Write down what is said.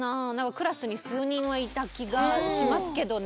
クラスに数人はいた気がしますけどね。